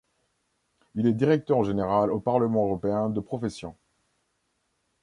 Il est directeur général au Parlement européen de profession.